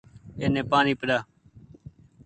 اني پآڻيٚ پيرآ